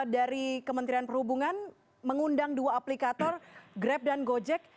dari kementerian perhubungan mengundang dua aplikator grab dan gojek